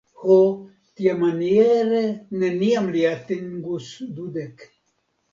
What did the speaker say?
Ho, tiamaniere neniam mi atingus dudek!